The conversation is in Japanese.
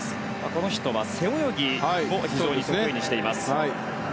この人は背泳ぎも非常に得意にしています。